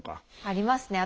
ありますね。